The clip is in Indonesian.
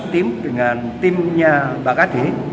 tim dengan timnya mbak kd